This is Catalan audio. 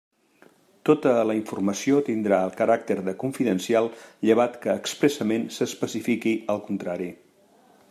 Tota la informació tindrà el caràcter de confidencial llevat que expressament s'especifiqui el contrari.